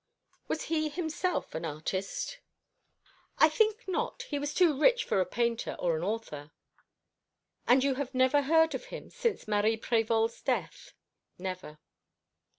"Was he himself an artist?" "I think not. He was too rich for a painter or an author." "And you have never heard of him since Marie Prévol's death?" "Never."